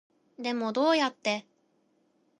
でもどうやって